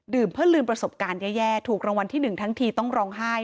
เพื่อลืมประสบการณ์แย่ถูกรางวัลที่๑ทั้งทีต้องร้องไห้